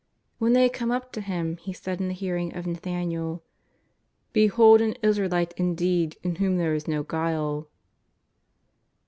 When they had come up to Him He said in the hearing of ITathaniel: ^' Behold an Israelite indeed in whom there is no guile.''